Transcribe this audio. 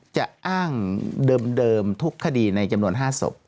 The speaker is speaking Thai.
จะอ้างเดิมทุกคดีในจำนวน๕ศพ